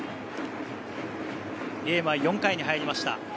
ゲームは４回に入りました。